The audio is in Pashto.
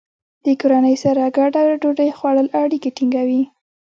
د کورنۍ سره ګډه ډوډۍ خوړل اړیکې ټینګوي.